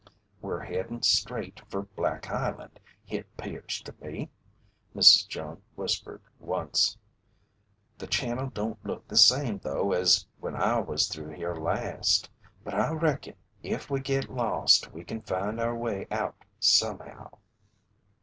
"We're headin' straight fer Black Island, hit 'pears to me," Mrs. Jones whispered once. "The channel don't look the same though as when I was through here last. But I reckon if we git lost we kin find our way out somehow."